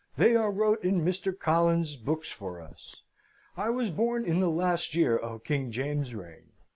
They are wrote in Mr. Collins's books for us. I was born in the last year of King James's reign.